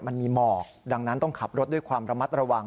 มันมีหมอกดังนั้นต้องขับรถด้วยความระมัดระวัง